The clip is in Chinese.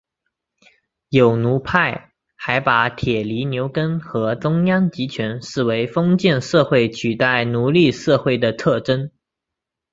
有奴派还把铁犁牛耕和中央集权视为封建社会取代奴隶社会的特征。